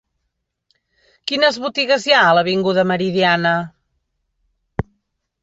Quines botigues hi ha a l'avinguda Meridiana?